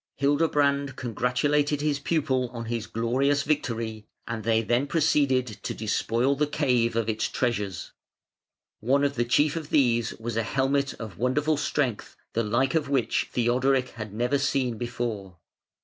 Hildebrand congratulated his pupil on his glorious victory, and they then proceeded to despoil the cave of its treasures. One of the chief of these was a helmet of wonderful strength, the like of which Theodoric had never seen before.